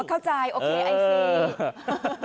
เข้าใจก็มางั้งสินะ